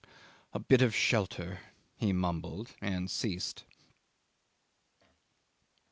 ... "A bit of shelter," he mumbled and ceased.